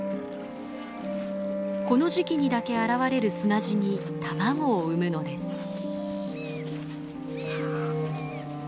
この時期にだけ現れる砂地に卵を産むのです。